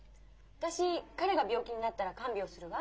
私彼が病気になったら看病するわ。